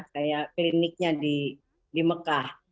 kayak kliniknya di mekah